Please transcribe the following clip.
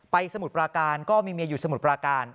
สมุทรปราการก็มีเมียอยู่สมุทรปราการ